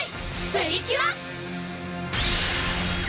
プリキュア！